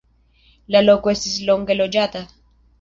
La loko estis longe loĝata.